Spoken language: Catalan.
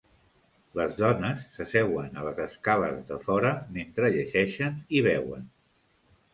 Les dones s'asseuen a les escales de fora mentre llegeixen i beuen.